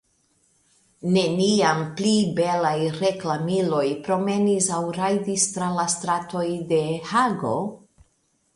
Neniam pli belaj reklamiloj promenis aŭ rajdis tra la stratoj de Hago?